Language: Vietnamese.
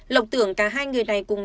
lộc tưởng cả hai người này cùng nhau